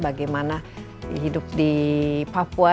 bagaimana hidup di papua